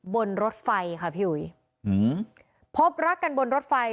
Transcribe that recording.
บนรถไฟครับพี่อุ๋ย